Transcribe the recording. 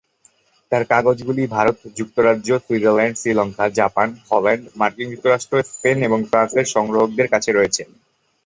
তাঁর কাজগুলি ভারত, যুক্তরাজ্য, সুইজারল্যান্ড, শ্রীলঙ্কা, জাপান, হল্যান্ড, মার্কিন যুক্তরাষ্ট্র, স্পেন এবং ফ্রান্সের সংগ্রাহকদের কাছে রয়েছে।